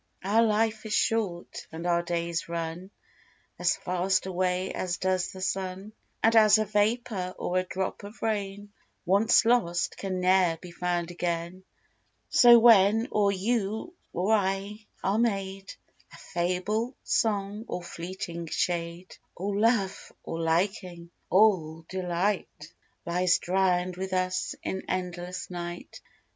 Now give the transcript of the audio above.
Our life is short; and our days run As fast away as does the sun: And as a vapour, or a drop of rain Once lost, can ne'er be found again: So when or you or I are made A fable, song, or fleeting shade; All love, all liking, all delight Lies drown'd with us in endless night.